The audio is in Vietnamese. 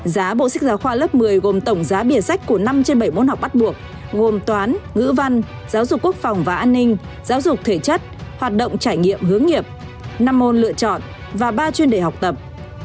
giá bộ sách giáo khoa lớp một mươi gồm tổng giá bìa sách của năm trên bảy môn học bắt buộc gồm toán ngữ văn giáo dục quốc phòng và an ninh giáo dục thể chất hoạt động trải nghiệm hướng nghiệp năm môn lựa chọn và ba chuyên đề học tập